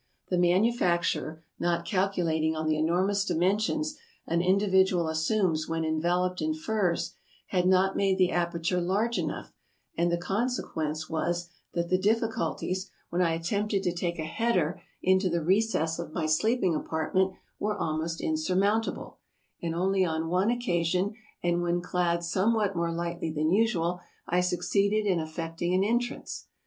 The manufacturer, not calculat ing on the enormous dimensions an individual assumes when enveloped in furs, had not made the aperture large enough, and the consequence was that the difficulties, when I at ASIA 295 tempted to take a header into the recess of my sleeping apartment, were almost insurmountable, and only on one occasion, and when clad somewhat more lightly than usual, I succeeded in effecting an entrance.